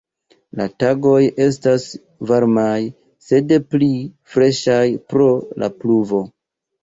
La tagoj estas varmaj, sed pli freŝaj pro la pluvo.